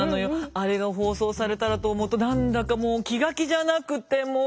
あれが放送されたらと思うと何だかもう気が気じゃなくてもう！